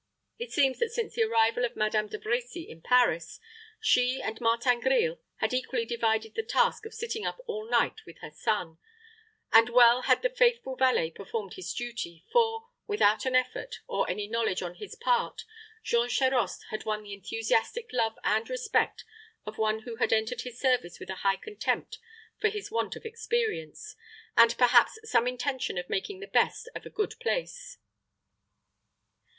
It seems that since the arrival of Madame de Brecy in Paris, she and Martin Grille had equally divided the task of sitting up all night with her son; and well had the faithful valet performed his duty, for, without an effort, or any knowledge on his part, Jean Charost had won the enthusiastic love and respect of one who had entered his service with a high contempt for his want of experience, and perhaps some intention of making the best of a good place.